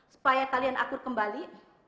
supaya kalian akur kembali